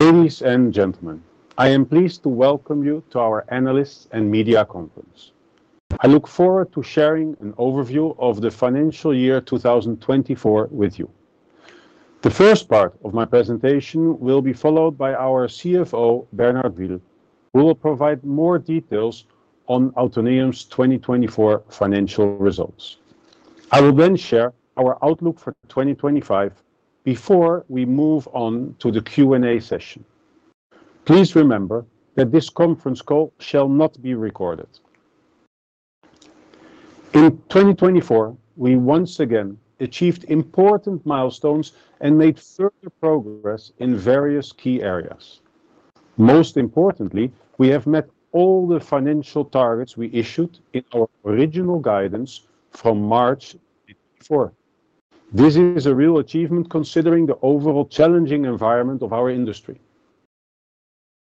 Ladies and gentlemen, I am pleased to welcome you to our Analysts and Media Conference. I look forward to sharing an overview of the financial year 2024 with you. The first part of my presentation will be followed by our CFO, Bernhard Wiehl, who will provide more details on Autoneum's 2024 financial results. I will then share our outlook for 2025 before we move on to the Q&A session. Please remember that this conference call shall not be recorded. In 2024, we once again achieved important milestones and made further progress in various key areas. Most importantly, we have met all the financial targets we issued in our original guidance from March 2024. This is a real achievement considering the overall challenging environment of our industry.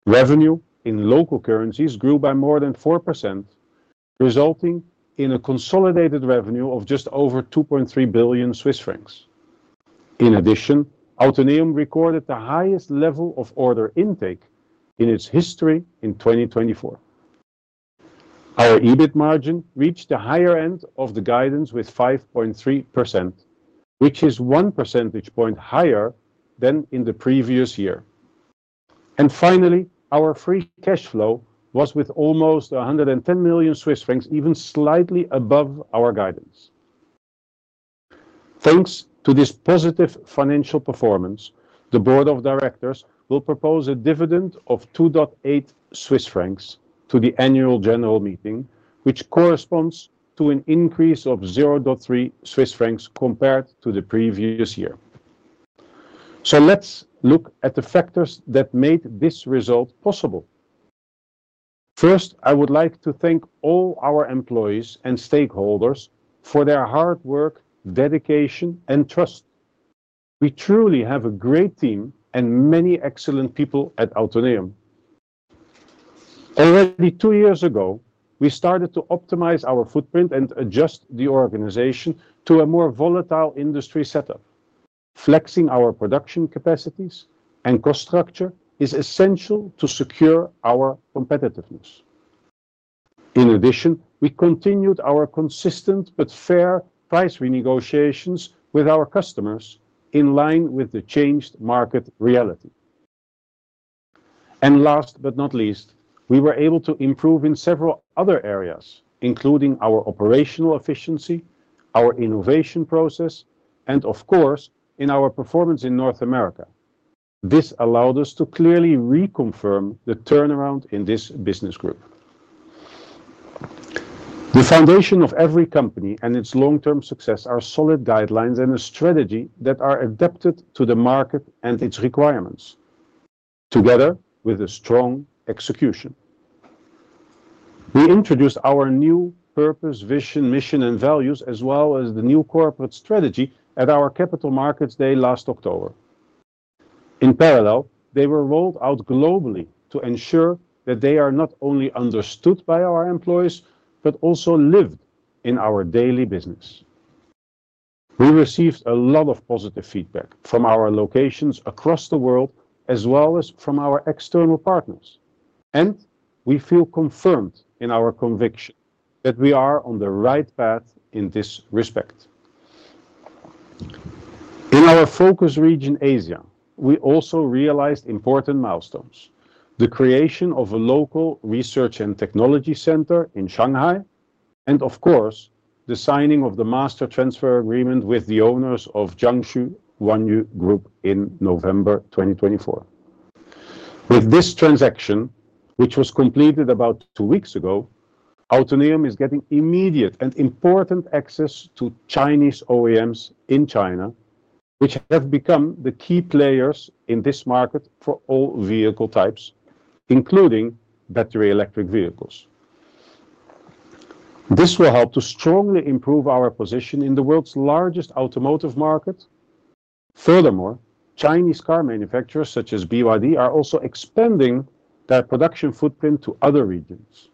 Revenue in local currencies grew by more than 4%, resulting in a consolidated revenue of just over 2.3 billion Swiss francs. In addition, Autoneum recorded the highest level of order intake in its history in 2024. Our EBIT margin reached the higher end of the guidance with 5.3%, which is one percentage point higher than in the previous year. Finally, our free cash flow was with almost 110 million Swiss francs, even slightly above our guidance. Thanks to this positive financial performance, the Board of Directors will propose a dividend of 2.8 Swiss francs to the annual general meeting, which corresponds to an increase of 0.3 Swiss francs compared to the previous year. Let us look at the factors that made this result possible. First, I would like to thank all our employees and stakeholders for their hard work, dedication, and trust. We truly have a great team and many excellent people at Autoneum. Already two years ago, we started to optimize our footprint and adjust the organization to a more volatile industry setup. Flexing our production capacities and cost structure is essential to secure our competitiveness. In addition, we continued our consistent but fair price renegotiations with our customers in line with the changed market reality. Last but not least, we were able to improve in several other areas, including our operational efficiency, our innovation process, and of course, in our performance in North America. This allowed us to clearly reconfirm the turnaround in this business group. The foundation of every company and its long-term success are solid guidelines and a strategy that are adapted to the market and its requirements, together with a strong execution. We introduced our new purpose, vision, mission, and values, as well as the new corporate strategy at our Capital Markets Day last October. In parallel, they were rolled out globally to ensure that they are not only understood by our employees, but also lived in our daily business. We received a lot of positive feedback from our locations across the world, as well as from our external partners. We feel confirmed in our conviction that we are on the right path in this respect. In our focus region, Asia, we also realized important milestones: the creation of a local research and technology center in Shanghai, and of course, the signing of the master transfer agreement with the owners of Jiangsu Huanyu Group in November 2024. With this transaction, which was completed about two weeks ago, Autoneum is getting immediate and important access to Chinese OEMs in China, which have become the key players in this market for all vehicle types, including battery electric vehicles. This will help to strongly improve our position in the world's largest automotive market. Furthermore, Chinese car manufacturers such as BYD are also expanding their production footprint to other regions.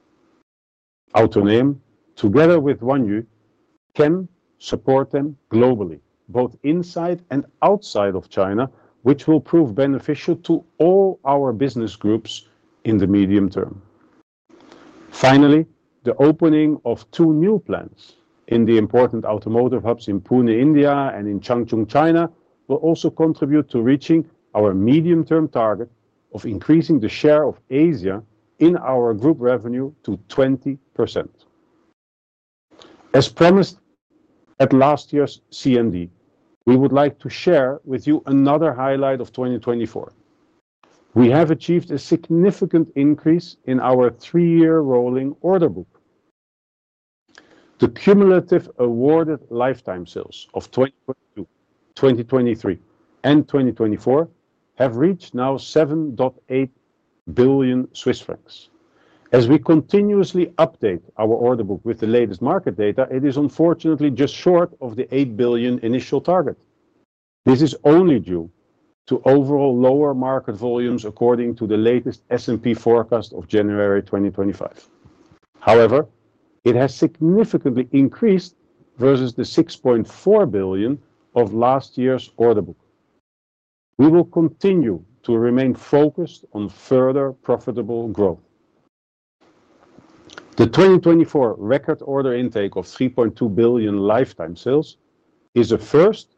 Autoneum, together with Jiangsu Huanyu Group, can support them globally, both inside and outside of China, which will prove beneficial to all our business groups in the medium term. Finally, the opening of two new plants in the important automotive hubs in Pune, India, and in Changchun, China, will also contribute to reaching our medium-term target of increasing the share of Asia in our group revenue to 20%. As promised at last year's CMD, we would like to share with you another highlight of 2024. We have achieved a significant increase in our three-year rolling order book. The cumulative awarded lifetime sales of 2022, 2023, and 2024 have reached now 7.8 billion Swiss francs. As we continuously update our order book with the latest market data, it is unfortunately just short of the 8 billion initial target. This is only due to overall lower market volumes, according to the latest S&P Global forecast of January 2025. However, it has significantly increased versus the 6.4 billion of last year's order book. We will continue to remain focused on further profitable growth. The 2024 record order intake of 3.2 billion lifetime sales is a first,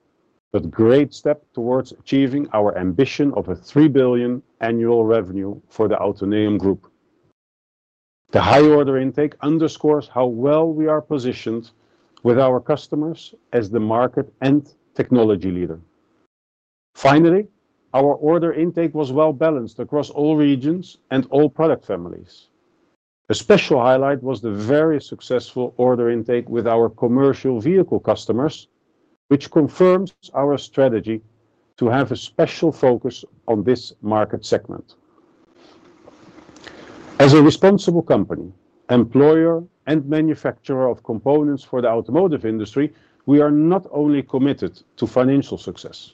but great step towards achieving our ambition of a 3 billion annual revenue for the Autoneum Group. The high order intake underscores how well we are positioned with our customers as the market and technology leader. Finally, our order intake was well balanced across all regions and all product families. A special highlight was the very successful order intake with our commercial vehicle customers, which confirms our strategy to have a special focus on this market segment. As a responsible company, employer, and manufacturer of components for the automotive industry, we are not only committed to financial success,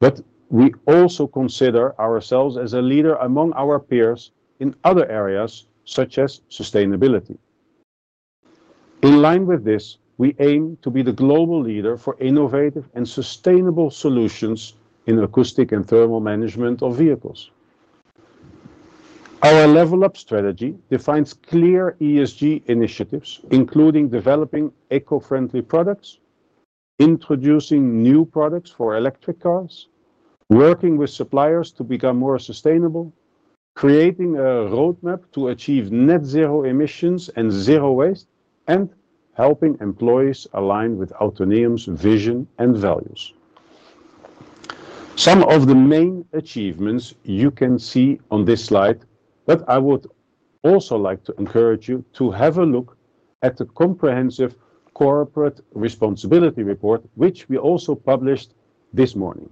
but we also consider ourselves as a leader among our peers in other areas such as sustainability. In line with this, we aim to be the global leader for innovative and sustainable solutions in acoustic and thermal management of vehicles. Our level up strategy defines clear ESG initiatives, including developing eco-friendly products, introducing new products for electric cars, working with suppliers to become more sustainable, creating a roadmap to achieve net zero emissions and zero waste, and helping employees align with Autoneum's vision and values. Some of the main achievements you can see on this slide, but I would also like to encourage you to have a look at the comprehensive corporate responsibility report, which we also published this morning.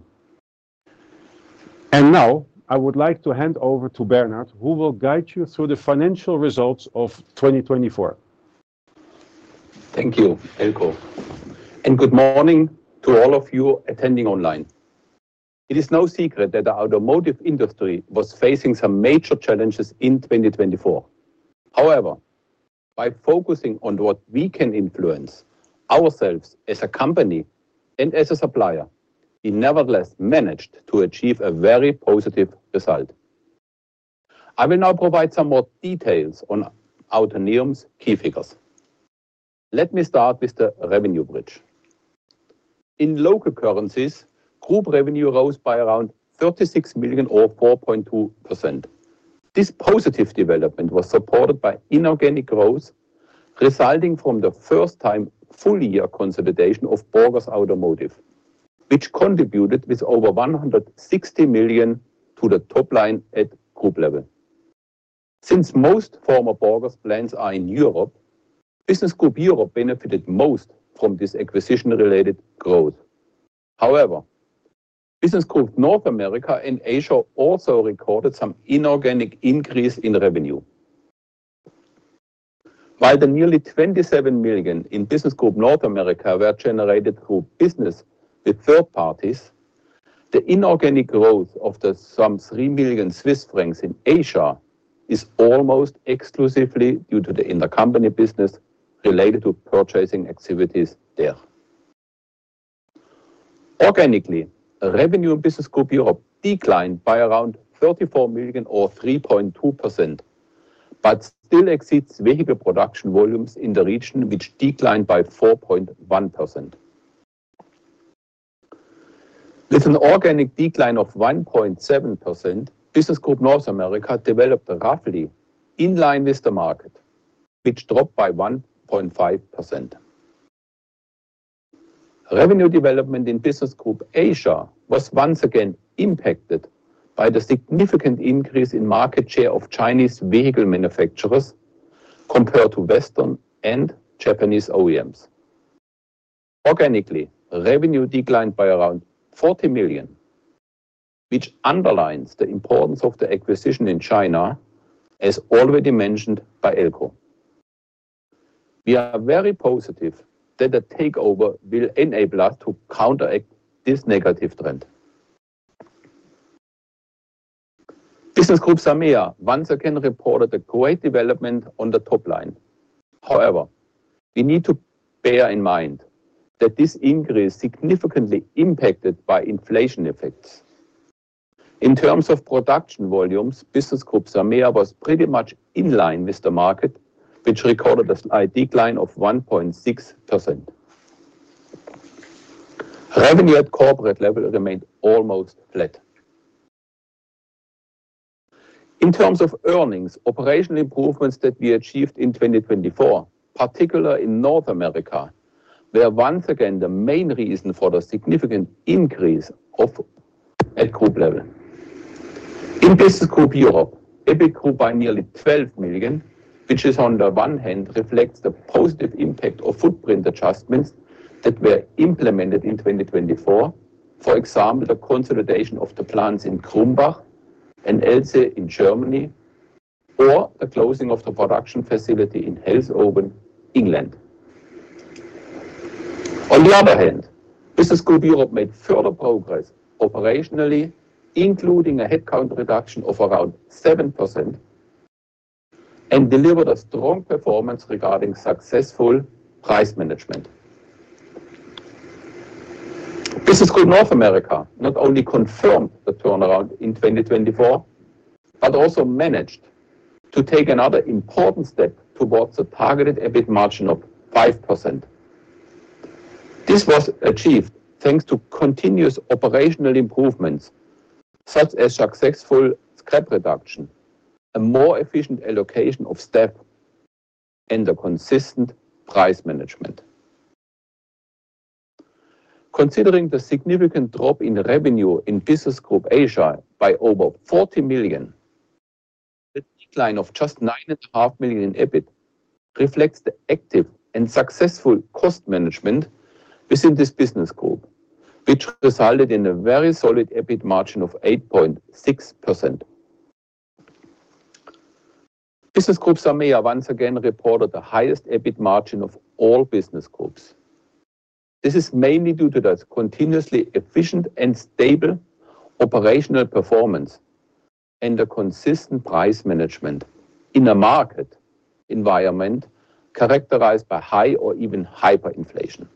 I would like to hand over to Bernhard, who will guide you through the financial results of 2024. Thank you, Eelco. Good morning to all of you attending online. It is no secret that the automotive industry was facing some major challenges in 2024. However, by focusing on what we can influence ourselves as a company and as a supplier, we nevertheless managed to achieve a very positive result. I will now provide some more details on Autoneum's key figures. Let me start with the revenue bridge. In local currencies, group revenue rose by around 36 million or 4.2%. This positive development was supported by inorganic growth resulting from the first-time full-year consolidation of Borgers Automotive, which contributed with over 160 million to the top line at group level. Since most former Borgers plants are in Europe, Business Group Europe benefited most from this acquisition-related growth. However, Business Group North America and Asia also recorded some inorganic increase in revenue. While the nearly 27 million in Business Group North America were generated through business with third parties, the inorganic growth of the some 3 million Swiss francs in Asia is almost exclusively due to the intercompany business related to purchasing activities there. Organically, revenue in Business Group Europe declined by around 34 million or 3.2%, but still exceeds vehicle production volumes in the region, which declined by 4.1%. With an organic decline of 1.7%, Business Group North America developed roughly in line with the market, which dropped by 1.5%. Revenue development in Business Group Asia was once again impacted by the significant increase in market share of Chinese vehicle manufacturers compared to Western and Japanese OEMs. Organically, revenue declined by around 40 million, which underlines the importance of the acquisition in China, as already mentioned by Eelco. We are very positive that the takeover will enable us to counteract this negative trend. Business Group SAMEA once again reported a great development on the top line. However, we need to bear in mind that this increase is significantly impacted by inflation effects. In terms of production volumes, Business Group SAMEA was pretty much in line with the market, which recorded a decline of 1.6%. Revenue at corporate level remained almost flat. In terms of earnings, operational improvements that we achieved in 2024, particularly in North America, were once again the main reason for the significant increase at group level. In Business Group Europe, EBIT grew by nearly 12 million, which on the one hand reflects the positive impact of footprint adjustments that were implemented in 2024, for example, the consolidation of the plants in Krumbach and Elze in Germany, or the closing of the production facility in Halesowen, England. On the other hand, Business Group Europe made further progress operationally, including a headcount reduction of around 7%, and delivered a strong performance regarding successful price management. Business Group North America not only confirmed the turnaround in 2024, but also managed to take another important step towards a targeted EBIT margin of 5%. This was achieved thanks to continuous operational improvements such as successful scrap reduction, a more efficient allocation of staff, and consistent price management. Considering the significant drop in revenue in Business Group Asia by over 40 million, the decline of just 9.5 million in EBIT reflects the active and successful cost management within this business group, which resulted in a very solid EBIT margin of 8.6%. Business Group South America once again reported the highest EBIT margin of all business groups. This is mainly due to the continuously efficient and stable operational performance and the consistent price management in a market environment characterized by high or even hyperinflation.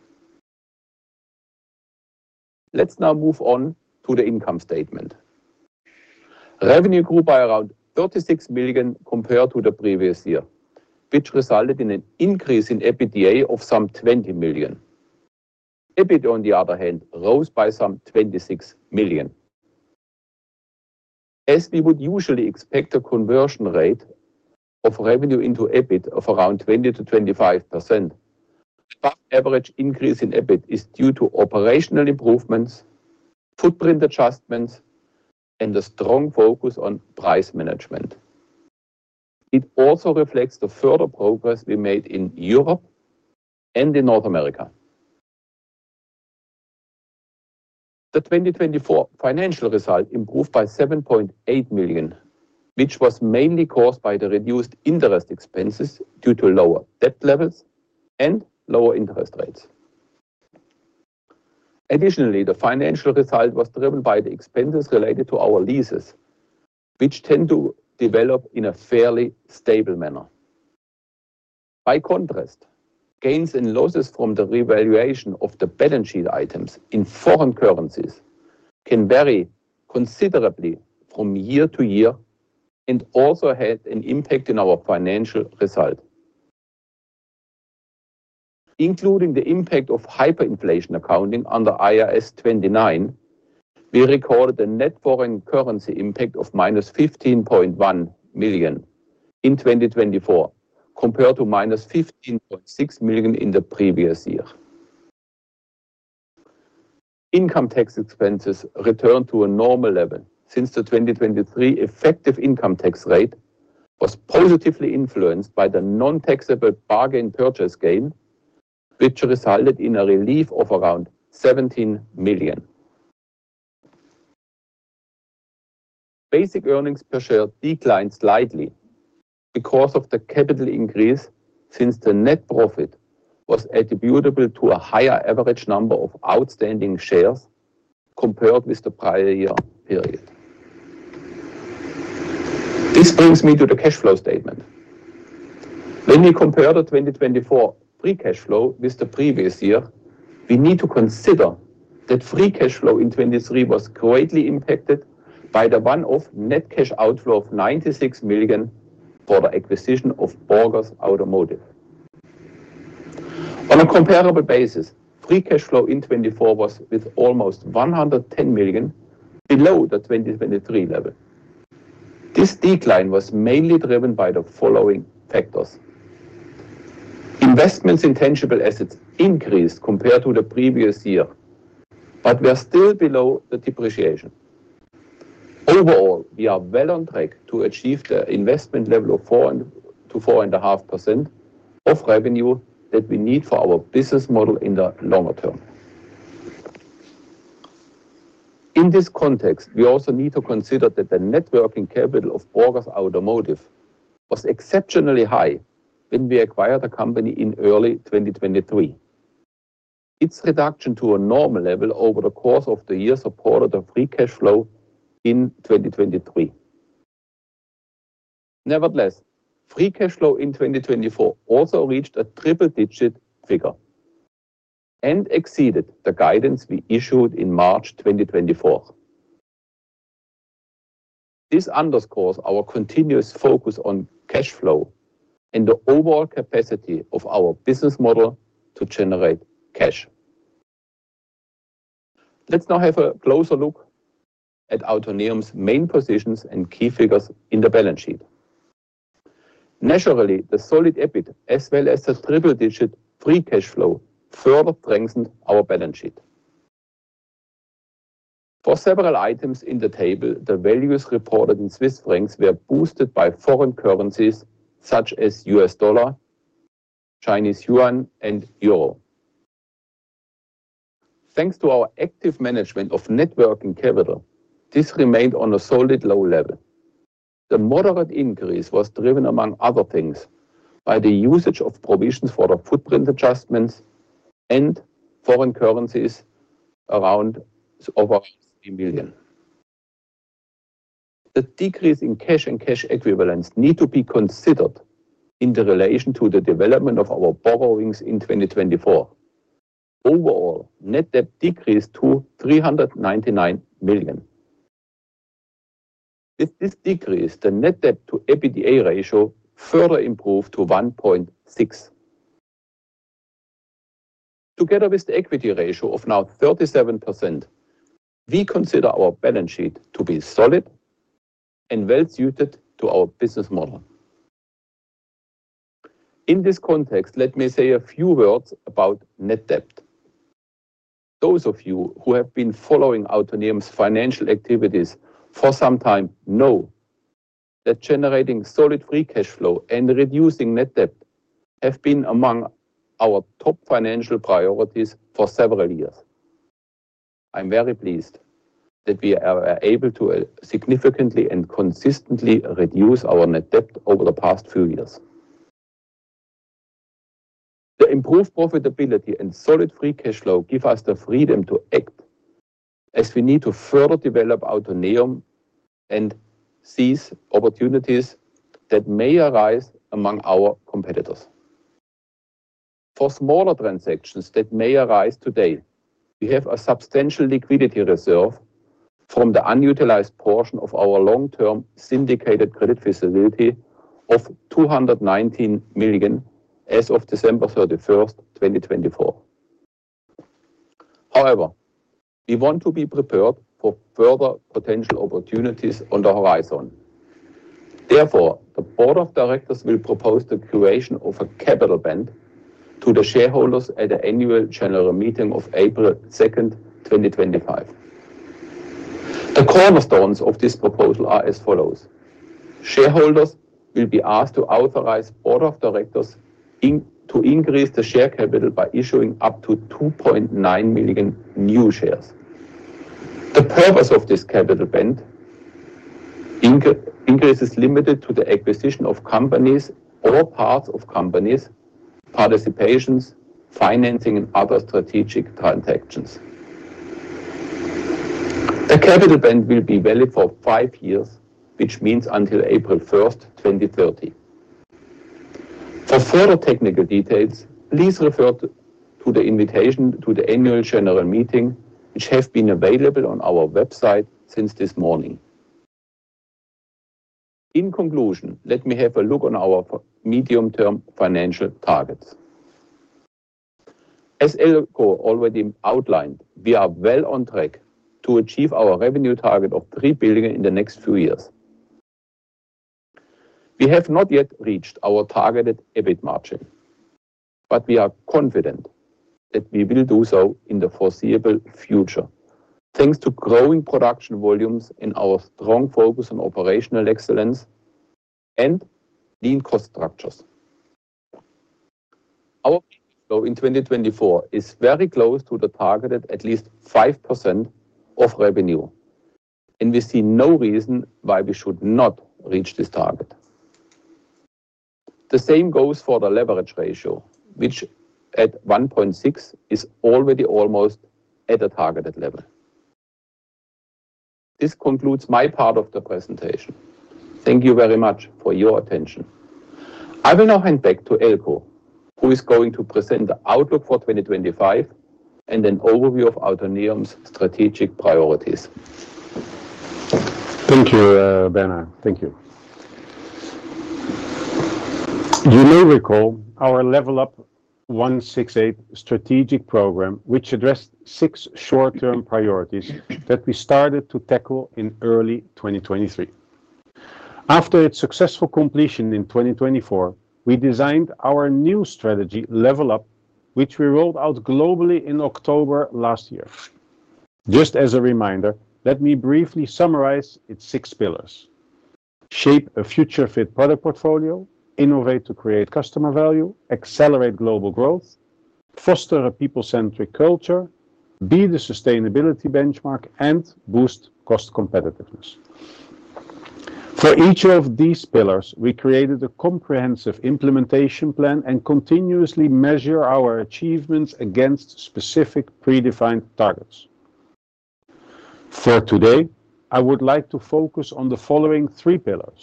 Let's now move on to the income statement. Revenue grew by around 36 million compared to the previous year, which resulted in an increase in EBITDA of some 20 million. EBIT, on the other hand, rose by some 26 million. As we would usually expect a conversion rate of revenue into EBIT of around 20-25%, the average increase in EBIT is due to operational improvements, footprint adjustments, and a strong focus on price management. It also reflects the further progress we made in Europe and in North America. The 2024 financial result improved by 7.8 million, which was mainly caused by the reduced interest expenses due to lower debt levels and lower interest rates. Additionally, the financial result was driven by the expenses related to our leases, which tend to develop in a fairly stable manner. By contrast, gains and losses from the revaluation of the balance sheet items in foreign currencies can vary considerably from year to year and also have an impact on our financial result. Including the impact of hyperinflation accounting under IAS 29, we recorded a net foreign currency impact of minus 15.1 million in 2024 compared to minus 15.6 million in the previous year. Income tax expenses returned to a normal level since the 2023 effective income tax rate was positively influenced by the non-taxable bargain purchase gain, which resulted in a relief of around 17 million. Basic earnings per share declined slightly because of the capital increase since the net profit was attributable to a higher average number of outstanding shares compared with the prior year period. This brings me to the cash flow statement. When we compare the 2024 free cash flow with the previous year, we need to consider that free cash flow in 2023 was greatly impacted by the one-off net cash outflow of 96 million for the acquisition of Borgers Automotive. On a comparable basis, free cash flow in 2024 was with almost 110 million below the 2023 level. This decline was mainly driven by the following factors. Investments in tangible assets increased compared to the previous year, but were still below the depreciation. Overall, we are well on track to achieve the investment level of 4-4.5% of revenue that we need for our business model in the longer term. In this context, we also need to consider that the net working capital of Borgers Automotive was exceptionally high when we acquired the company in early 2023. Its reduction to a normal level over the course of the year supported the free cash flow in 2023. Nevertheless, free cash flow in 2024 also reached a triple-digit figure and exceeded the guidance we issued in March 2024. This underscores our continuous focus on cash flow and the overall capacity of our business model to generate cash. Let's now have a closer look at Autoneum's main positions and key figures in the balance sheet. Naturally, the solid EBIT, as well as the triple-digit free cash flow, further strengthened our balance sheet. For several items in the table, the values reported in Swiss francs were boosted by foreign currencies such as US$, CNY, and EUR. Thanks to our active management of net working capital, this remained on a solid low level. The moderate increase was driven, among other things, by the usage of provisions for the footprint adjustments and foreign currencies around over 3 million. The decrease in cash and cash equivalents needs to be considered in relation to the development of our borrowings in 2024. Overall, net debt decreased to 399 million. With this decrease, the net debt to EBITDA ratio further improved to 1.6. Together with the equity ratio of now 37%, we consider our balance sheet to be solid and well-suited to our business model. In this context, let me say a few words about net debt. Those of you who have been following Autoneum's financial activities for some time know that generating solid free cash flow and reducing net debt have been among our top financial priorities for several years. I'm very pleased that we are able to significantly and consistently reduce our net debt over the past few years. The improved profitability and solid free cash flow give us the freedom to act as we need to further develop Autoneum and seize opportunities that may arise among our competitors. For smaller transactions that may arise today, we have a substantial liquidity reserve from the unutilized portion of our long-term syndicated credit facility of 219 million as of December 31, 2024. However, we want to be prepared for further potential opportunities on the horizon. Therefore, the Board of Directors will propose the creation of a capital band to the shareholders at the annual general meeting of April 2, 2025. The cornerstones of this proposal are as follows. Shareholders will be asked to authorize the Board of Directors to increase the share capital by issuing up to 2.9 million new shares. The purpose of this capital band increase is limited to the acquisition of companies or parts of companies, participations, financing, and other strategic transactions. The capital band will be valid for five years, which means until April 1, 2030. For further technical details, please refer to the invitation to the annual general meeting, which has been available on our website since this morning. In conclusion, let me have a look at our medium-term financial targets. As Eelco already outlined, we are well on track to achieve our revenue target of 3 billion in the next few years. We have not yet reached our targeted EBIT margin, but we are confident that we will do so in the foreseeable future thanks to growing production volumes and our strong focus on operational excellence and lean cost structures. Our cash flow in 2024 is very close to the targeted at least 5% of revenue, and we see no reason why we should not reach this target. The same goes for the leverage ratio, which at 1.6 is already almost at a targeted level. This concludes my part of the presentation. Thank you very much for your attention. I will now hand back to Eelco, who is going to present the outlook for 2025 and an overview of Autoneum's strategic priorities. Thank you, Bernhard. Thank you. You may recall our Level Up 168 strategic program, which addressed six short-term priorities that we started to tackle in early 2023. After its successful completion in 2024, we designed our new strategy, Level Up, which we rolled out globally in October last year. Just as a reminder, let me briefly summarize its six pillars: Shape a future-fit product portfolio, Innovate to create customer value, Accelerate global growth, Foster a people-centric culture, Be the sustainability benchmark, and Boost cost competitiveness. For each of these pillars, we created a comprehensive implementation plan and continuously measure our achievements against specific predefined targets. For today, I would like to focus on the following three pillars: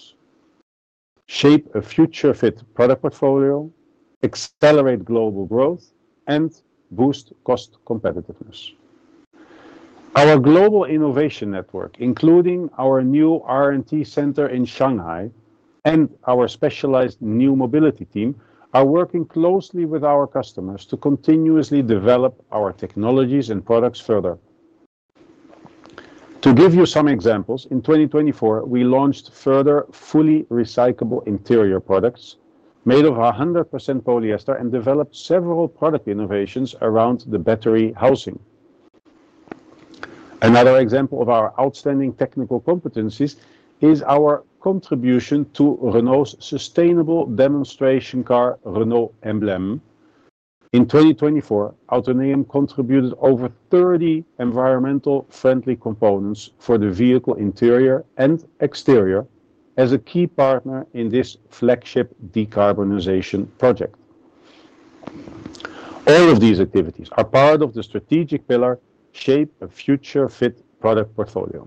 Shape a future-fit product portfolio, Accelerate global growth, and Boost cost competitiveness. Our global innovation network, including our new R&D center in Shanghai and our specialized new mobility team, are working closely with our customers to continuously develop our technologies and products further. To give you some examples, in 2024, we launched further fully recyclable interior products made of 100% polyester and developed several product innovations around the battery housing. Another example of our outstanding technical competencies is our contribution to Renault's sustainable demonstration car, Renault Emblème. In 2024, Autoneum contributed over 30 environmentally friendly components for the vehicle interior and exterior as a key partner in this flagship decarbonization project. All of these activities are part of the strategic pillar Shape a future-fit product portfolio.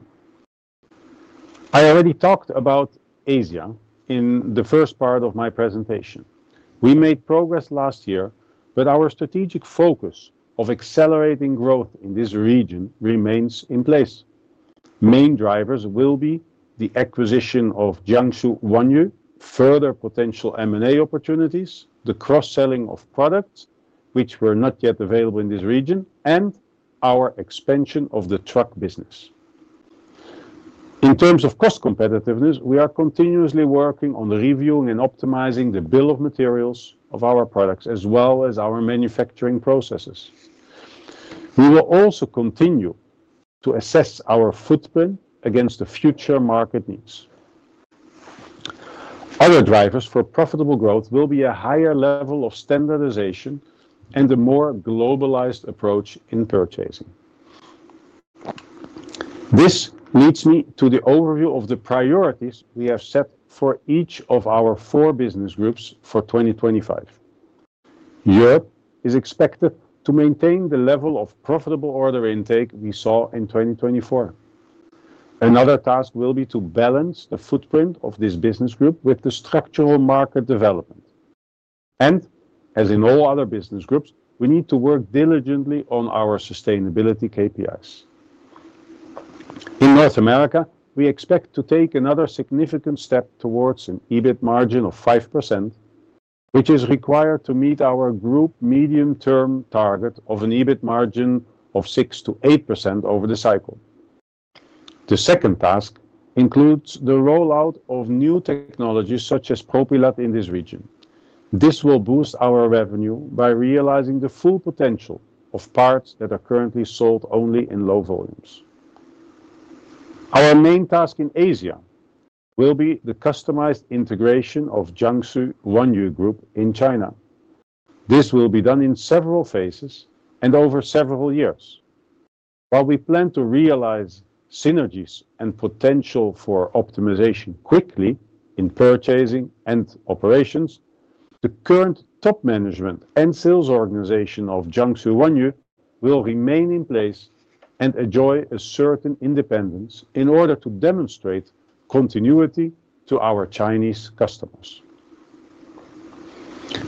I already talked about Asia in the first part of my presentation. We made progress last year, but our strategic focus of accelerating growth in this region remains in place. Main drivers will be the acquisition of Jiangsu Huanyu, further potential M&A opportunities, the cross-selling of products which were not yet available in this region, and our expansion of the truck business. In terms of cost competitiveness, we are continuously working on reviewing and optimizing the bill of materials of our products as well as our manufacturing processes. We will also continue to assess our footprint against the future market needs. Other drivers for profitable growth will be a higher level of standardization and a more globalized approach in purchasing. This leads me to the overview of the priorities we have set for each of our four business groups for 2025. Europe is expected to maintain the level of profitable order intake we saw in 2024. Another task will be to balance the footprint of this business group with the structural market development. As in all other business groups, we need to work diligently on our sustainability KPIs. In North America, we expect to take another significant step towards an EBIT margin of 5%, which is required to meet our group medium-term target of an EBIT margin of 6-8% over the cycle. The second task includes the rollout of new technologies such as Propylat in this region. This will boost our revenue by realizing the full potential of parts that are currently sold only in low volumes. Our main task in Asia will be the customized integration of Jiangsu Huanyu Group in China. This will be done in several phases and over several years. While we plan to realize synergies and potential for optimization quickly in purchasing and operations, the current top management and sales organization of Jiangsu Huanyu will remain in place and enjoy a certain independence in order to demonstrate continuity to our Chinese customers.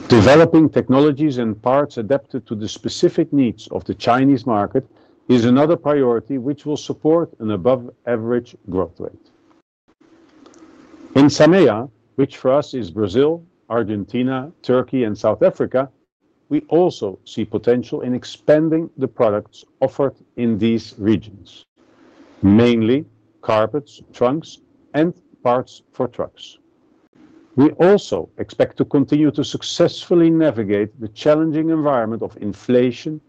Developing technologies and parts adapted to the specific needs of the Chinese market is another priority which will support an above-average growth rate. In SAMEA, which for us is Brazil, Argentina, Turkey, and South Africa, we also see potential in expanding the products offered in these regions, mainly carpets, trunks, and parts for trucks. We also expect to continue to successfully navigate the challenging environment of inflation,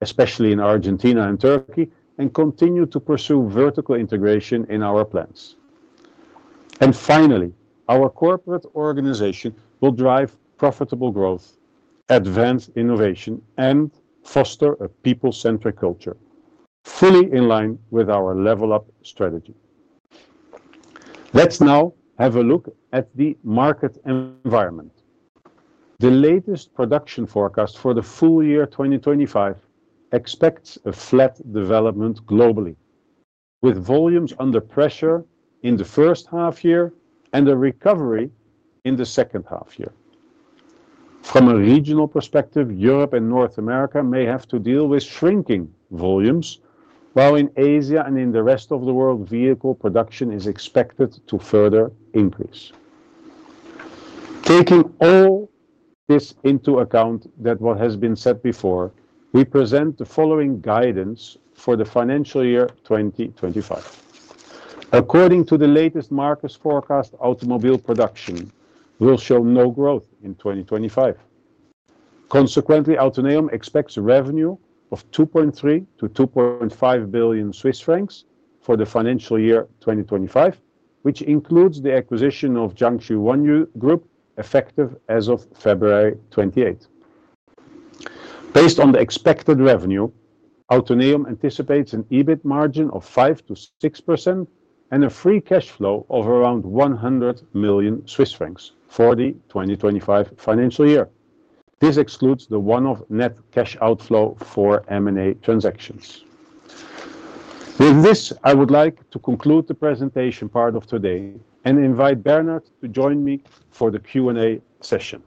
especially in Argentina and Turkey, and continue to pursue vertical integration in our plans. Finally, our corporate organization will drive profitable growth, advance innovation, and foster a people-centric culture, fully in line with our level up strategy. Let's now have a look at the market environment. The latest production forecast for the full year 2025 expects a flat development globally, with volumes under pressure in the first half year and a recovery in the second half year. From a regional perspective, Europe and North America may have to deal with shrinking volumes, while in Asia and in the rest of the world, vehicle production is expected to further increase. Taking all this into account, that what has been said before, we present the following guidance for the financial year 2025. According to the latest market forecast, automobile production will show no growth in 2025. Consequently, Autoneum expects a revenue of 2.3 billion-2.5 billion Swiss francs for the financial year 2025, which includes the acquisition of Jiangsu Huanyu Group effective as of February 28. Based on the expected revenue, Autoneum anticipates an EBIT margin of 5-6% and a free cash flow of around 100 million Swiss francs for the 2025 financial year. This excludes the one-off net cash outflow for M&A transactions. With this, I would like to conclude the presentation part of today and invite Bernhard to join me for the Q&A session.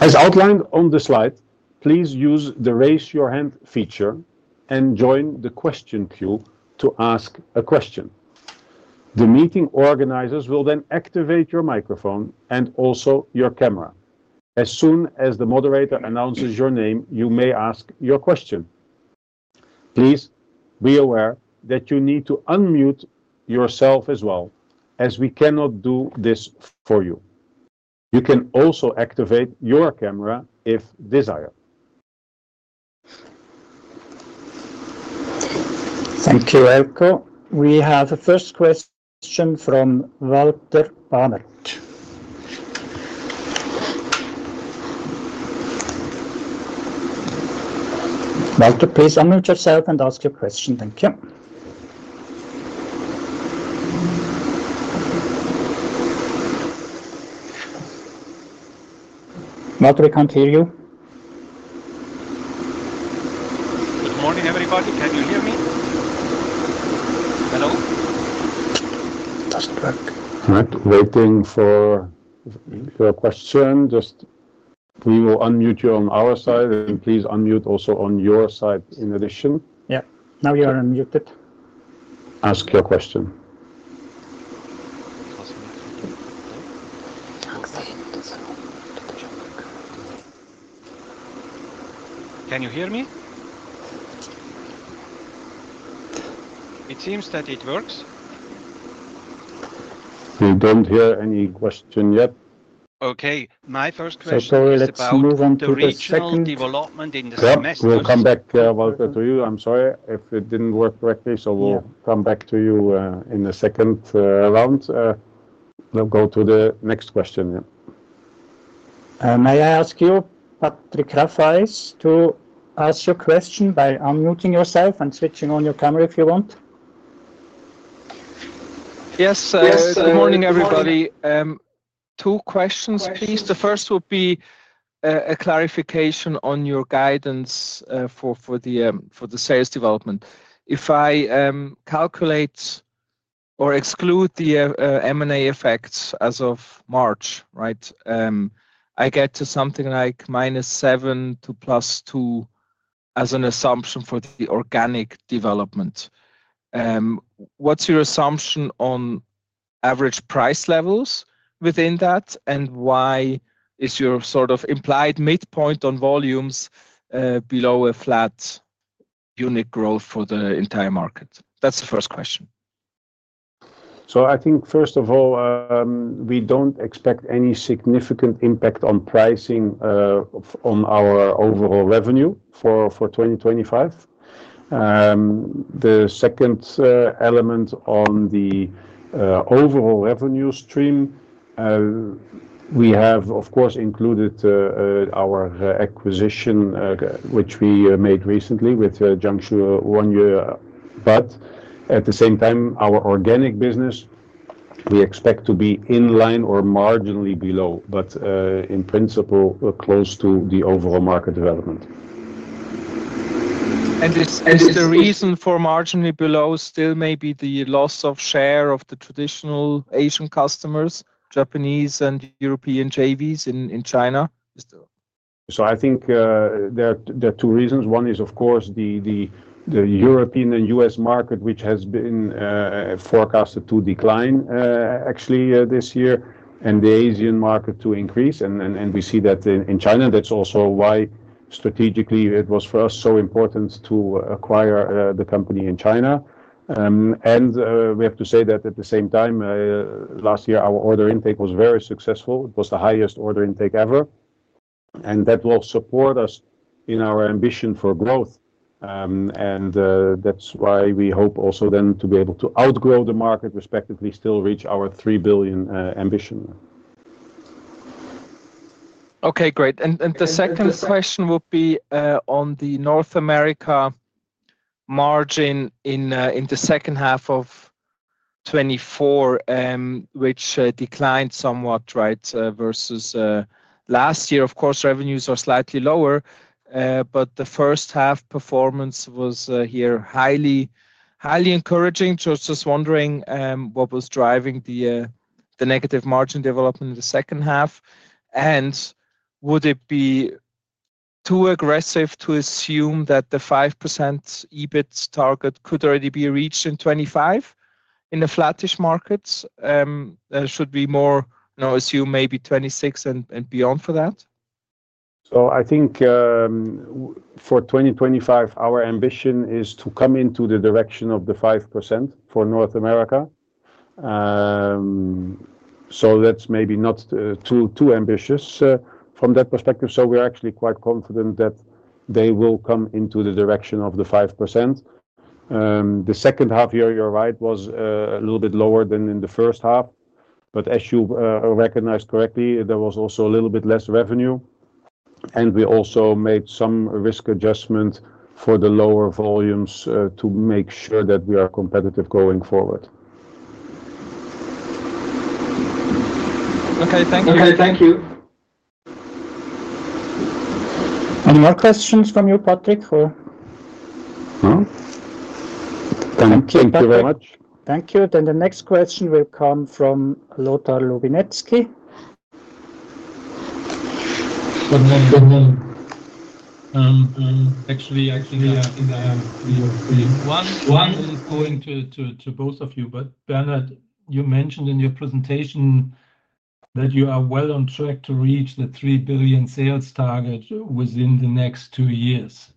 As outlined on the slide, please use the raise your hand feature and join the question queue to ask a question. The meeting organizers will then activate your microphone and also your camera. As soon as the moderator announces your name, you may ask your question. Please be aware that you need to unmute yourself as well, as we cannot do this for you. You can also activate your camera if desired. Thank you, Eelco. We have a first question from Walter Bamert. Walter, please unmute yourself and ask your question. Thank you. Walter, we can't hear you. Good morning, everybody. Can you hear me? Hello? Doesn't work. All right. Waiting for your question. We will unmute you on our side, and please unmute also on your side in addition. Yeah. Now you are unmuted. Ask your question. Can you hear me? It seems that it works. We don't hear any question yet. Okay. My first question is about the development in the semester. We'll come back, Walter, to you. I'm sorry if it didn't work correctly. We'll come back to you in the second round. We'll go to the next question. May I ask you, Patrick Rafaisz, to ask your question by unmuting yourself and switching on your camera if you want? Yes. Good morning, everybody. Two questions, please. The first would be a clarification on your guidance for the sales development. If I calculate or exclude the M&A effects as of March, right, I get to something like -7% to +2% as an assumption for the organic development. What's your assumption on average price levels within that, and why is your sort of implied midpoint on volumes below a flat unit growth for the entire market? That's the first question. I think, first of all, we don't expect any significant impact on pricing on our overall revenue for 2025. The second element on the overall revenue stream, we have, of course, included our acquisition, which we made recently with Jiangsu Huanyu. At the same time, our organic business, we expect to be in line or marginally below, but in principle, close to the overall market development. Is the reason for marginally below still maybe the loss of share of the traditional Asian customers, Japanese and European JVs in China? I think there are two reasons. One is, of course, the European and U.S. market, which has been forecasted to decline actually this year, and the Asian market to increase. We see that in China. That is also why strategically it was for us so important to acquire the company in China. We have to say that at the same time, last year, our order intake was very successful. It was the highest order intake ever. That will support us in our ambition for growth. That is why we hope also then to be able to outgrow the market, respectively, still reach our 3 billion ambition. Okay. Great. The second question would be on the North America margin in the second half of 2024, which declined somewhat, right, versus last year. Of course, revenues are slightly lower, but the first half performance was here highly encouraging. I was just wondering what was driving the negative margin development in the second half. Would it be too aggressive to assume that the 5% EBIT target could already be reached in 2025 in the flattish markets? Should we more assume maybe 2026 and beyond for that? I think for 2025, our ambition is to come into the direction of the 5% for North America. That's maybe not too ambitious from that perspective. We're actually quite confident that they will come into the direction of the 5%. The second half here, you're right, was a little bit lower than in the first half. As you recognized correctly, there was also a little bit less revenue. We also made some risk adjustment for the lower volumes to make sure that we are competitive going forward. Okay. Thank you. Any more questions from you, Patrick, or? No. Thank you very much. Thank you. The next question will come from Lothar Lubinetzki. Actually, the one is going to both of you. Bernhard, you mentioned in your presentation that you are well on track to reach the 3 billion sales target within the next two years.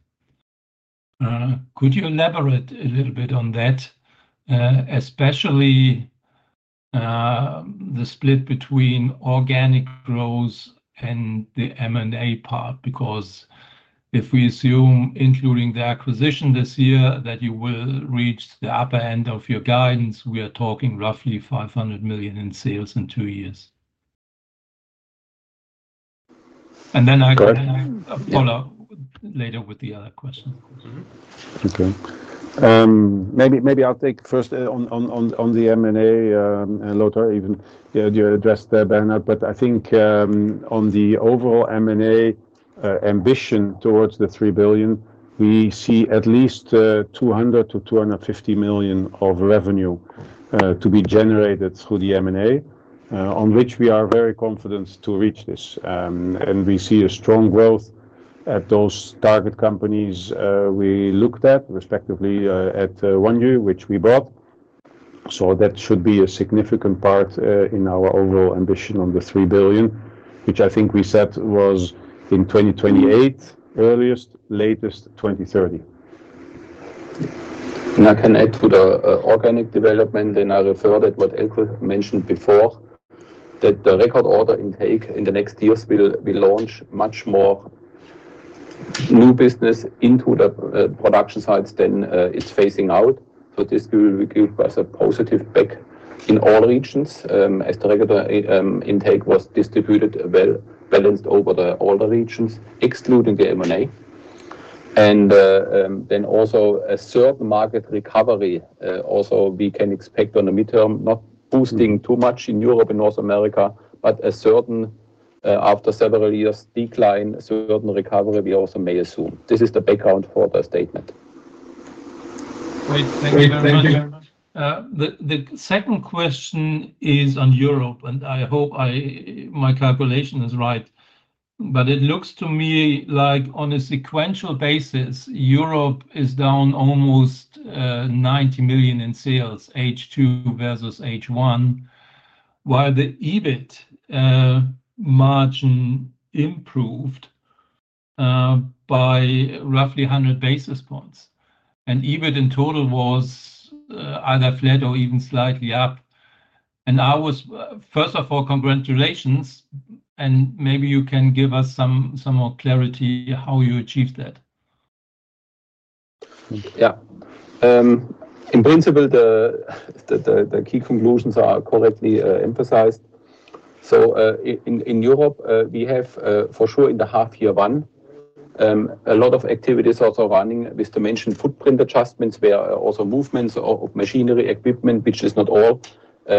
Could you elaborate a little bit on that, especially the split between organic growth and the M&A part? Because if we assume, including the acquisition this year, that you will reach the upper end of your guidance, we are talking roughly 500 million in sales in two years. I can follow later with the other questions. Okay. Maybe I'll take first on the M&A, Lothar, even you addressed that, Bernhard, but I think on the overall M&A ambition towards the 3 billion, we see at least 200 million-250 million of revenue to be generated through the M&A, on which we are very confident to reach this. We see a strong growth at those target companies we looked at, respectively at Huanyu, which we bought. That should be a significant part in our overall ambition on the 3 billion, which I think we said was in 2028, earliest, latest 2030. I can add to the organic development and I referred at what Eelco mentioned before, that the record order intake in the next years will launch much more new business into the production sites than it's phasing out. This will give us a positive back in all regions as the record intake was distributed well, balanced over all the regions, excluding the M&A. Also, a certain market recovery we can expect on the midterm, not boosting too much in Europe and North America, but after several years of decline, a certain recovery we also may assume. This is the background for the statement. Great. Thank you very much. Thank you very much. The second question is on Europe, and I hope my calculation is right, but it looks to me like on a sequential basis, Europe is down almost 90 million in sales, H2 versus H1, while the EBIT margin improved by roughly 100 basis points. EBIT in total was either flat or even slightly up. First of all, congratulations, and maybe you can give us some more clarity how you achieved that. Yeah. In principle, the key conclusions are correctly emphasized. In Europe, we have for sure in the half year one, a lot of activities also running with the mentioned footprint adjustments, where also movements of machinery, equipment, which is not all,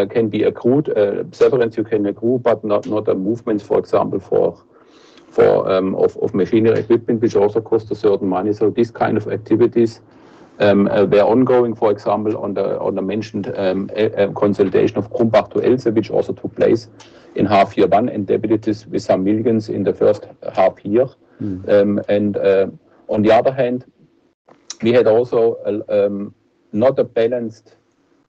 can be accrued. Severance you can accrue, but not movements, for example, of machinery equipment, which also costs a certain money. These kind of activities were ongoing, for example, on the mentioned consolidation of Krumbach to Elze, which also took place in half year one, and debit with some millions in the first half year. On the other hand, we had also not a balanced,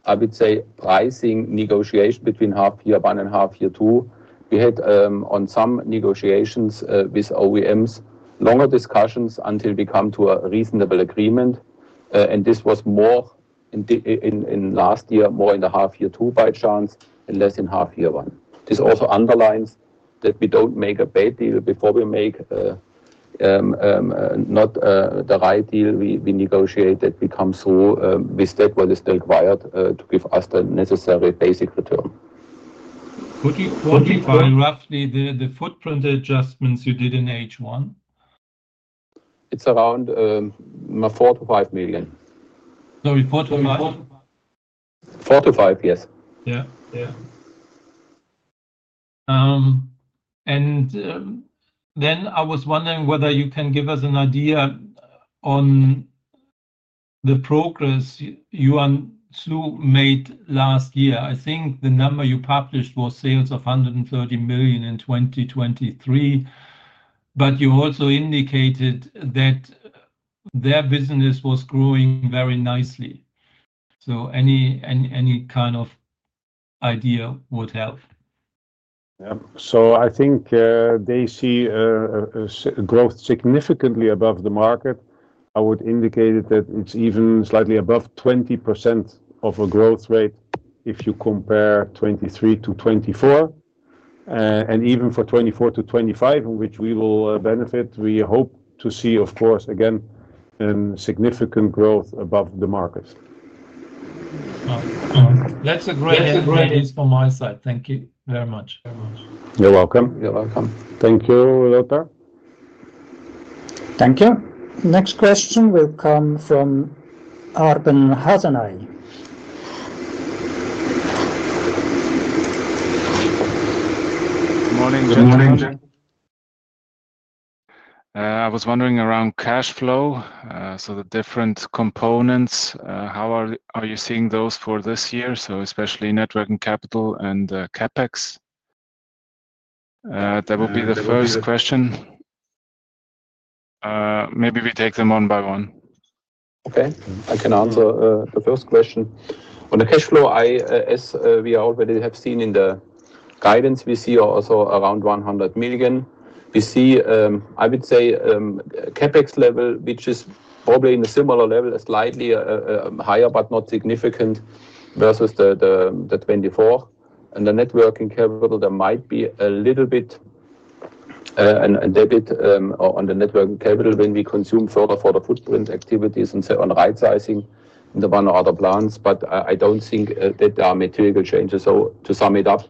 I would say, pricing negotiation between half year one and half year two. We had on some negotiations with OEMs, longer discussions until we come to a reasonable agreement. This was more in last year, more in the half year two by chance, and less in half year one. This also underlines that we do not make a bad deal before we make not the right deal. We negotiate that we come through with that what is required to give us the necessary basic return. Could you qualify roughly the footprint adjustments you did in H1? It is around 4 million-5 million. Sorry, 4 million-5 million? 4 million-5 million, yes. Yeah. Yeah. I was wondering whether you can give us an idea on the progress you and made last year. I think the number you published was sales of 130 million in 2023, but you also indicated that their business was growing very nicely. Any kind of idea would help. Yeah. I think they see growth significantly above the market. I would indicate that it's even slightly above 20% of a growth rate if you compare 2023 to 2024. Even for 2024 to 2025, in which we will benefit, we hope to see, of course, again, significant growth above the market. That's a great answer from my side. Thank you very much. You're welcome. You're welcome. Thank you, Lothar. Thank you. Next question will come from Arben Hasanaj. Good morning, gentlemen. Good morning. I was wondering around cash flow, so the different components, how are you seeing those for this year, especially net working capital and CapEx? That would be the first question. Maybe we take them one by one. Okay. I can answer the first question. On the cash flow, as we already have seen in the guidance, we see also around 100 million. We see, I would say, CapEx level, which is probably in a similar level, slightly higher, but not significant versus the 2024. The net working capital, there might be a little bit a debit on the net working capital when we consume further for the footprint activities and on right-sizing in the one or other plans. I don't think that there are material changes. To sum it up,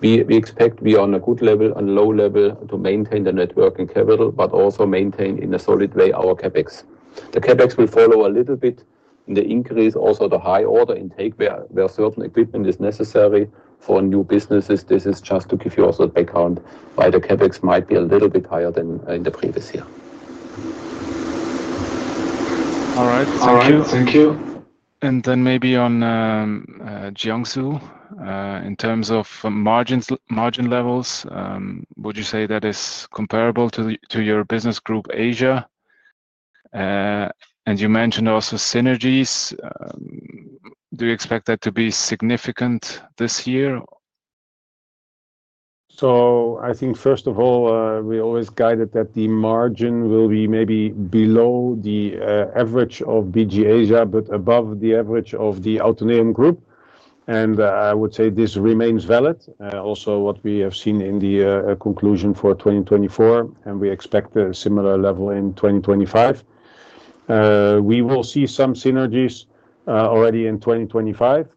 we expect we are on a good level, on a low level to maintain the net working capital, but also maintain in a solid way our CapEx. The CapEx will follow a little bit in the increase, also the high order intake where certain equipment is necessary for new businesses. This is just to give you also a background, why the CapEx might be a little bit higher than in the previous year. All right. Thank you. Thank you. Maybe on Jiangsu, in terms of margin levels, would you say that is comparable to your business group, Asia? You mentioned also synergies. Do you expect that to be significant this year? I think, first of all, we always guided that the margin will be maybe below the average of BG Asia, but above the average of the Autoneum Group. I would say this remains valid. Also, what we have seen in the conclusion for 2024, and we expect a similar level in 2025. We will see some synergies already in 2025.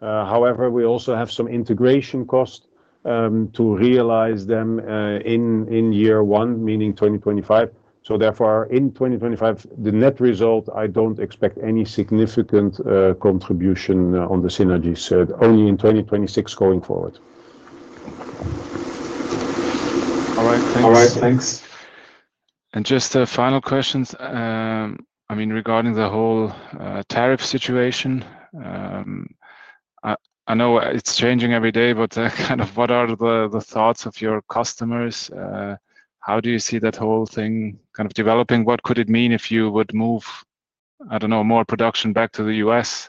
However, we also have some integration costs to realize them in year one, meaning 2025. Therefore, in 2025, the net result, I do not expect any significant contribution on the synergies, only in 2026 going forward. All right. Thank you. All right. Thanks. Just final questions, I mean, regarding the whole tariff situation. I know it is changing every day, but kind of what are the thoughts of your customers? How do you see that whole thing kind of developing? What could it mean if you would move, I do not know, more production back to the US?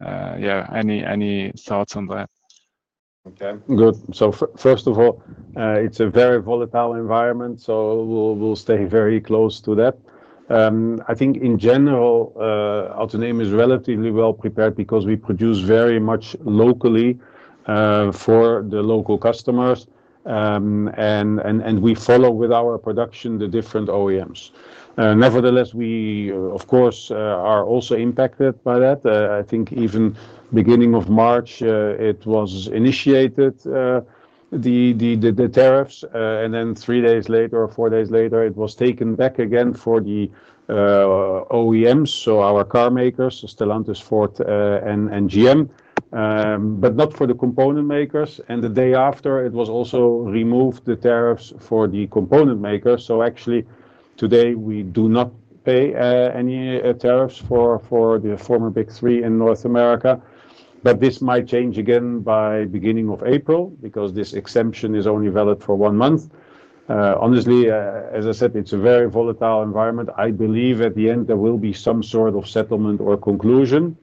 Yeah. Any thoughts on that? Okay. Good. First of all, it is a very volatile environment, so we will stay very close to that. I think in general, Autoneum is relatively well prepared because we produce very much locally for the local customers. We follow with our production the different OEMs. Nevertheless, we, of course, are also impacted by that. I think even beginning of March, it was initiated, the tariffs, and then three days later or four days later, it was taken back again for the OEMs, so our car makers, Stellantis, Ford, and GM, but not for the component makers. The day after, it was also removed, the tariffs for the component makers. Actually, today, we do not pay any tariffs for the former Big Three in North America. This might change again by beginning of April because this exemption is only valid for one month. Honestly, as I said, it's a very volatile environment. I believe at the end, there will be some sort of settlement or conclusion,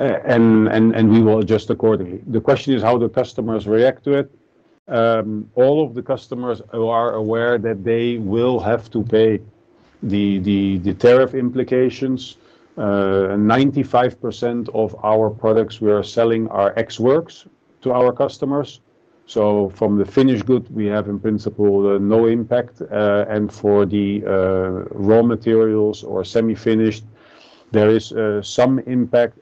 and we will adjust accordingly. The question is how the customers react to it. All of the customers who are aware that they will have to pay the tariff implications. 95% of our products we are selling are ex-works to our customers. From the finished good, we have in principle no impact. For the raw materials or semi-finished, there is some impact.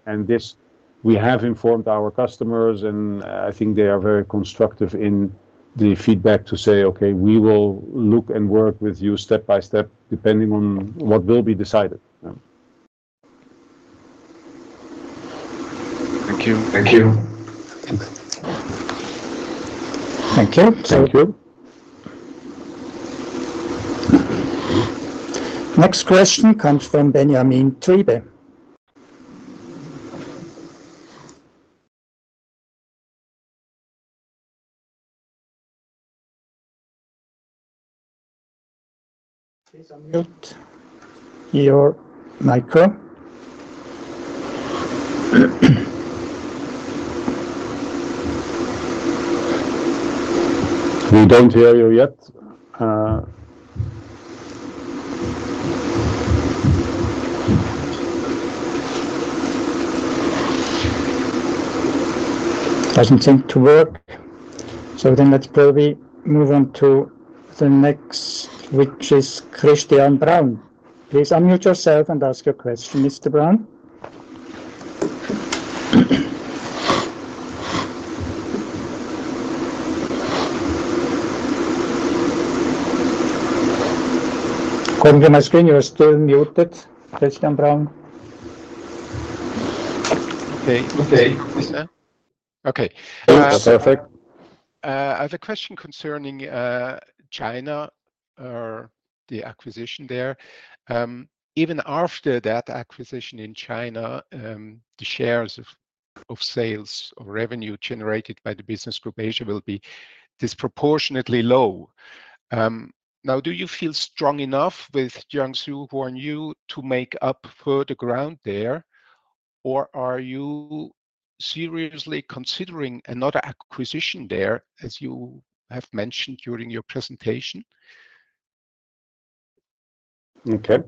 We have informed our customers, and I think they are very constructive in the feedback to say, "Okay, we will look and work with you step by step depending on what will be decided." Thank you. Thank you. Thank you. Thank you. Next question comes from Benjamin Triebe. Please unmute your micro. We do not hear you yet. Does not seem to work. Let's probably move on to the next, which is Christian Braun. Please unmute yourself and ask your question, Mr. Braun. According to my screen, you are still muted, Christian Braun. Okay. Okay. Okay. Perfect. I have a question concerning China or the acquisition there. Even after that acquisition in China, the shares of sales or revenue generated by the business group Asia will be disproportionately low. Now, do you feel strong enough with Jiangsu Huanyu to make up for the ground there, or are you seriously considering another acquisition there, as you have mentioned during your presentation? Okay.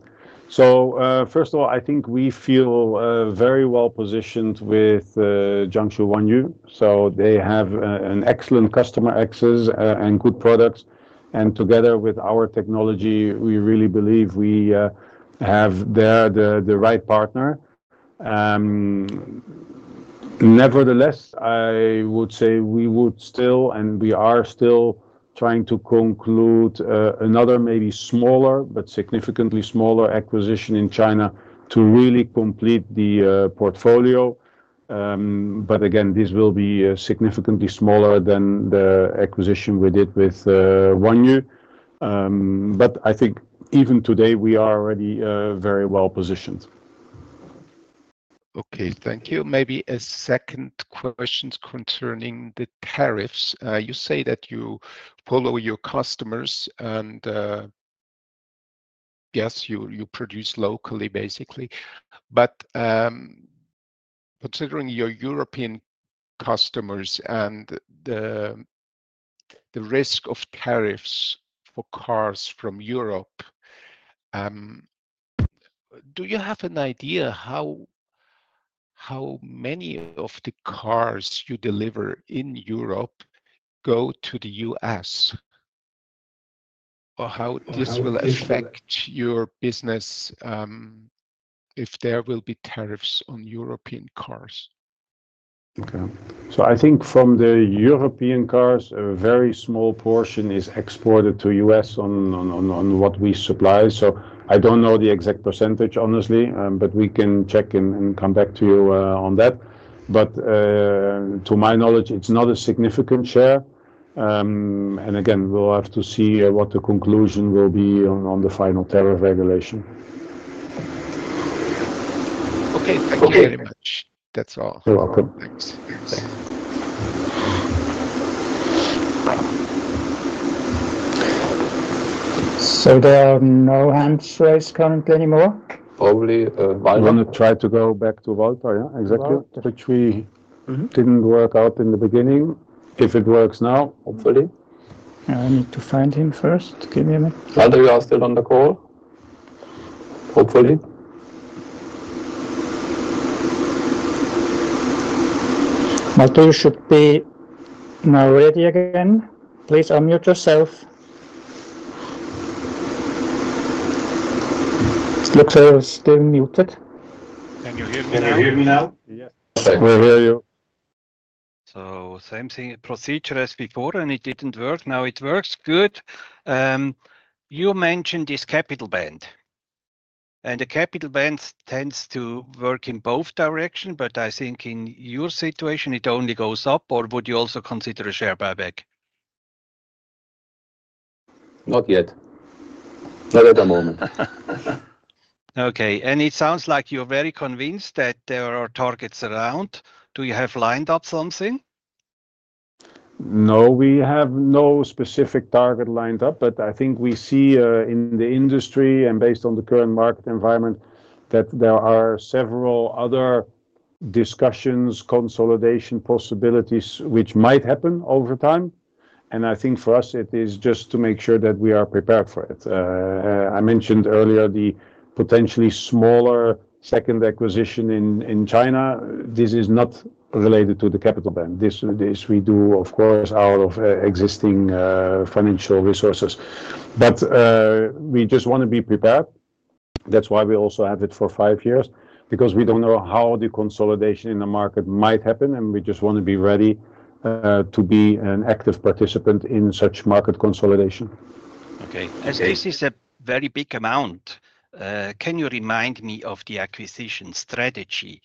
First of all, I think we feel very well positioned with Jiangsu Huanyu. They have excellent customer access and good products. Together with our technology, we really believe we have the right partner there. Nevertheless, I would say we would still, and we are still trying to conclude another maybe smaller, but significantly smaller acquisition in China to really complete the portfolio. Again, this will be significantly smaller than the acquisition we did with Huanyu. I think even today, we are already very well positioned. Okay. Thank you. Maybe a second question concerning the tariffs. You say that you follow your customers and, yes, you produce locally, basically. But considering your European customers and the risk of tariffs for cars from Europe, do you have an idea how many of the cars you deliver in Europe go to the US? Or how this will affect your business if there will be tariffs on European cars? Okay. I think from the European cars, a very small portion is exported to the US on what we supply. I don't know the exact percentage, honestly, but we can check and come back to you on that. To my knowledge, it's not a significant share. Again, we'll have to see what the conclusion will be on the final tariff regulation. Okay. Thank you very much. That's all. You're welcome. Thanks. Thanks. There are no hands raised currently anymore? Probably. I'm going to try to go back to Walter. Yeah. Exactly. Which we didn't work out in the beginning. If it works now, hopefully. I need to find him first. Give me a minute. Walter, you are still on the call? Hopefully. Walter, you should be now ready again. Please unmute yourself. It looks like it's still muted. Can you hear me now? Yes. We hear you. Same procedure as before, and it didn't work. Now it works. Good. You mentioned this capital band. The capital band tends to work in both directions, but I think in your situation, it only goes up, or would you also consider a share buyback? Not yet. Not at the moment. It sounds like you're very convinced that there are targets around. Do you have lined up something? No, we have no specific target lined up, but I think we see in the industry and based on the current market environment that there are several other discussions, consolidation possibilities, which might happen over time. I think for us, it is just to make sure that we are prepared for it. I mentioned earlier the potentially smaller second acquisition in China. This is not related to the capital band. This we do, of course, out of existing financial resources. We just want to be prepared. That is why we also have it for five years, because we do not know how the consolidation in the market might happen, and we just want to be ready to be an active participant in such market consolidation. Okay. This is a very big amount. Can you remind me of the acquisition strategy?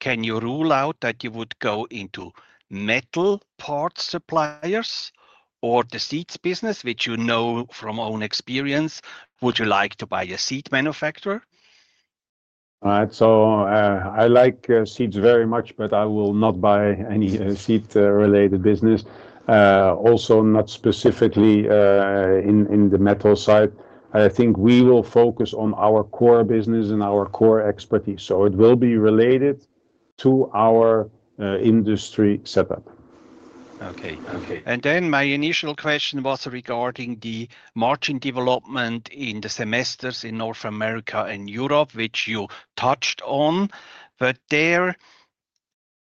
Can you rule out that you would go into metal parts suppliers or the seats business, which you know from own experience? Would you like to buy a seat manufacturer? All right. I like seats very much, but I will not buy any seat-related business. Also, not specifically in the metal side. I think we will focus on our core business and our core expertise. It will be related to our industry setup. Okay. Okay. My initial question was regarding the margin development in the semesters in North America and Europe, which you touched on. There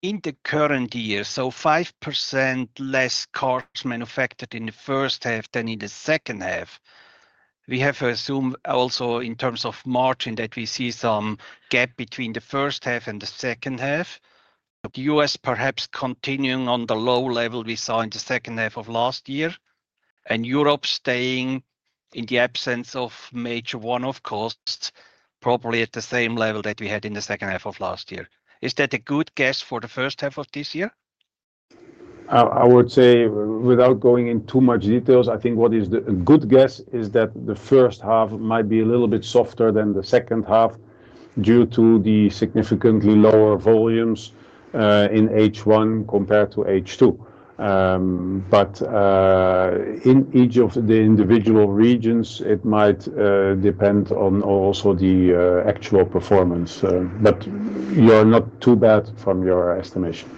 in the current year, 5% less cars manufactured in the first half than in the second half, we have assumed also in terms of margin that we see some gap between the first half and the second half. The U.S. perhaps continuing on the low level we saw in the second half of last year, and Europe staying in the absence of major one-off costs probably at the same level that we had in the second half of last year. Is that a good guess for the first half of this year? I would say, without going into much details, I think what is a good guess is that the first half might be a little bit softer than the second half due to the significantly lower volumes in H1 compared to H2. In each of the individual regions, it might depend on also the actual performance. You are not too bad from your estimation.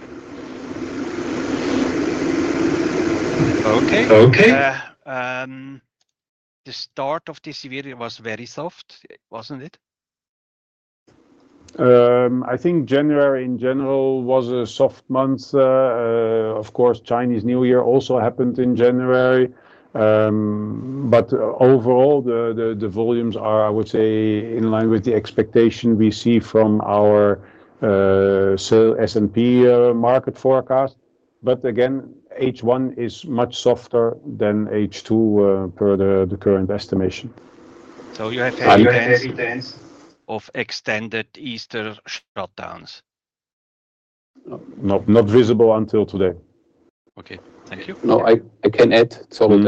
Okay. Okay. The start of this year was very soft, was it not? I think January in general was a soft month. Of course, Chinese New Year also happened in January. Overall, the volumes are, I would say, in line with the expectation we see from our S&P market forecast. H1 is much softer than H2 per the current estimation. You have heavy rains of extended Easter shutdowns? Not visible until today. Thank you. No, I can add on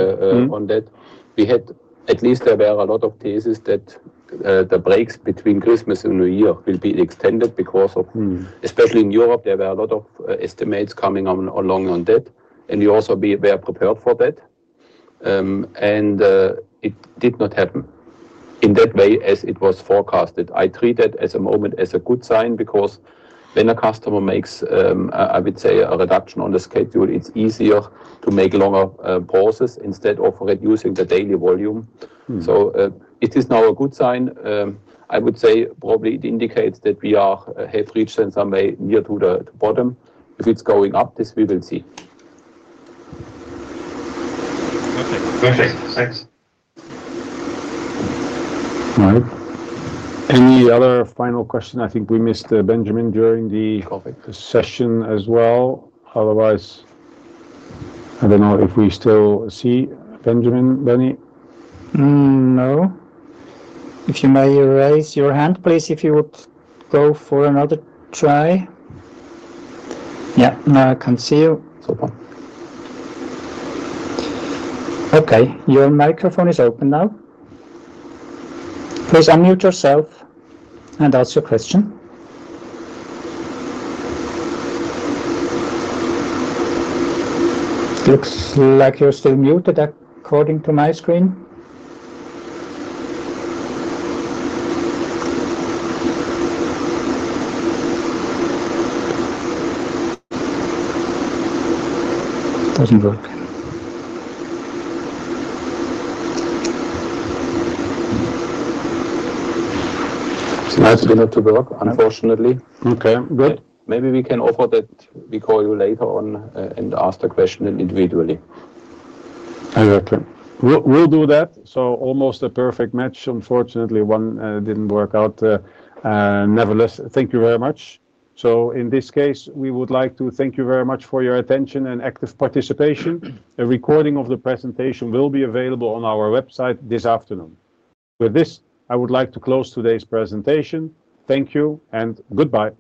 that. We had at least there were a lot of cases that the breaks between Christmas and New Year will be extended because of, especially in Europe, there were a lot of estimates coming along on that. You also be well prepared for that. It did not happen in that way as it was forecasted. I treat that at the moment as a good sign because when a customer makes, I would say, a reduction on the schedule, it is easier to make longer pauses instead of reducing the daily volume. It is now a good sign. I would say probably it indicates that we have reached in some way near to the bottom. If it is going up, we will see. Perfect. Perfect. Thanks. All right. Any other final question? I think we missed Benjamin during the session as well. Otherwise, I do not know if we still see Benjamin, Benny. No. If you may raise your hand, please, if you would go for another try. Yeah. Now I can see you. Okay. Your microphone is open now. Please unmute yourself and ask your question. Looks like you are still muted according to my screen. Does not work. It is nice to be able to work, unfortunately. Okay. Good. Maybe we can offer that we call you later on and ask the question individually. Exactly. We will do that. Almost a perfect match. Unfortunately, one did not work out. Nevertheless, thank you very much. In this case, we would like to thank you very much for your attention and active participation. A recording of the presentation will be available on our website this afternoon. With this, I would like to close today's presentation. Thank you and goodbye.